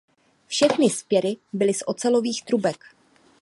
Všechny vzpěry byly z ocelových trubek.